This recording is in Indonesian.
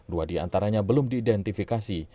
dua di antaranya belum diidentifikasi